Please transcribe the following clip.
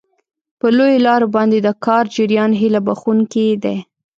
په لویو لارو باندې د کار جریان هیله بښونکی دی.